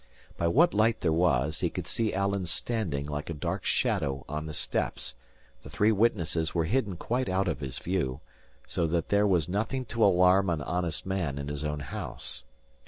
By what light there was, he would see Alan standing, like a dark shadow, on the steps; the three witnesses were hidden quite out of his view; so that there was nothing to alarm an honest man in his own house.